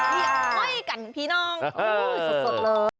พี่เอาไว้กันพี่น้องสดเลย